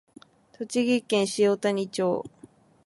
栃木県塩谷町